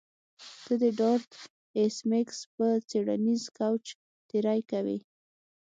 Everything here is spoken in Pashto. ته د ډارت ایس میکس په څیړنیز کوچ تیری کوې